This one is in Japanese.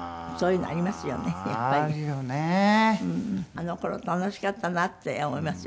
あの頃楽しかったなって思いますよね。